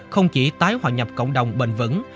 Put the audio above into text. không chỉ tái hòa nhập cộng đồng bền vững